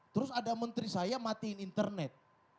terus ada menteri saya matiin internet